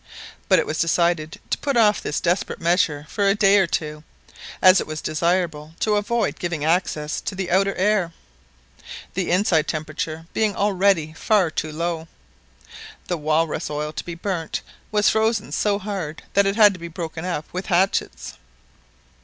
But it was decided to put off this desperate measure for a day or two, as it was desirable to avoid giving access to the outer air; the inside temperature being already far too low. The walrus oil to be burnt was frozen so hard that it had to be broken up with hatchets.